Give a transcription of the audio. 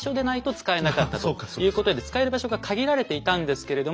そうか。ということで使える場所が限られていたんですけれども。